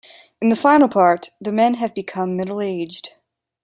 In the final part, the men have become middle-aged.